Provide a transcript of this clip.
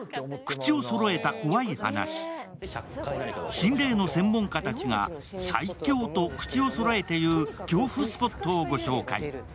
心霊の専門家たちが最恐と口をそろえて言う恐怖スポットをご紹介。